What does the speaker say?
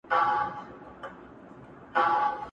o څوک وايي څه شي وخورم، څوک وايي په چا ئې وخورم!